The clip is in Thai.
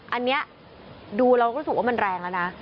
อันนี้ดูเราก็รู้สึกว่ามันแรงแล้วนะ